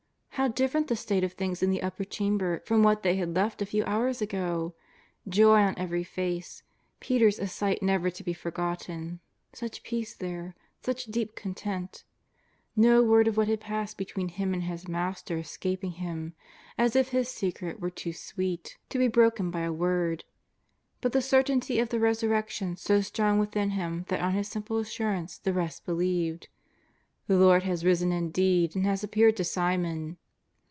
How different the state of things in the Upper Chamber from what they had left a few hours ago ! Joy on every face. Peter's a sight never to be forgotten; such peace there, such deep con tent. 1^0 word of what had passed between him and his Master escaping him, as if his secret were too sweet to 382 JESUS OF NAZAKETH. be broken by a word, but the certainty of the Resurrec tion so strong within him that on his simple assurance the rest believed :" The Lord has risen indeed, and has appeared to Simon."